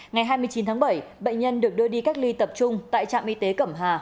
ngày hai mươi chín tháng bảy bệnh nhân được đưa đi cách ly tập trung tại trạm y tế cẩm hà